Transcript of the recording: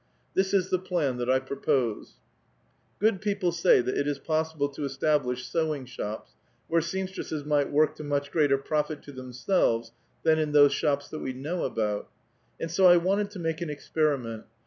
This is the plan that I propose :— '*Good people say that it is possible to establish sewing shops where seamstresses might work to much greater profit to themselves than in those shops that we know about. And so I wanted to make an experiment.